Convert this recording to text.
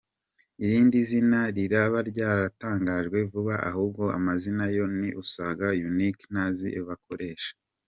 Irindi zina riraba ryatangajwe vuba aha kuko amazina yo ni “usage unique” ntazina bakoresha.